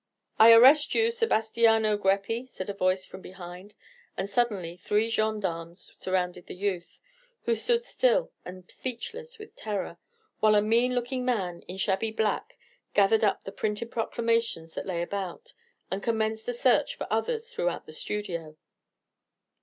"I arrest you, Sebastiano Greppi," said a voice from behind; and suddenly three gendarmes surrounded the youth, who stood still and speechless with terror, while a mean looking man in shabby black gathered up the printed proclamations that lay about, and commenced a search for others throughout the studio.